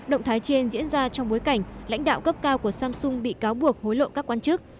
động thái trên diễn ra trong bối cảnh lãnh đạo cấp cao của samsung bị cáo buộc hối lộ các quan chức